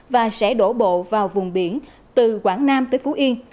và sẽ đổ bộ vào vùng biển từ quảng nam tới phú yên